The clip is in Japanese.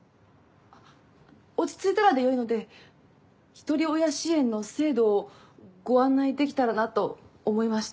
落ち着いたらでよいのでひとり親支援の制度をご案内できたらなと思いまして。